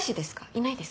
いないです。